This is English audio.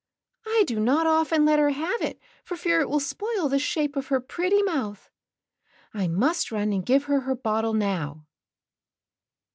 "I do not often let her have if for fear it will spoil the shape of her pretty mouth. I must run and give her her bottle now."